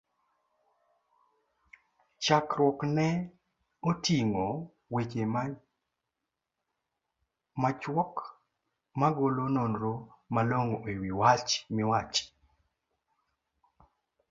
chakruokne oting'o weche machuok, magolo nonro malongo e wich wach miwach?